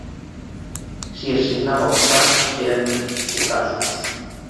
Si els signava el tsar eren ucassos.